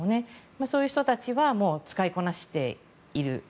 そういう人たちは使いこなしている。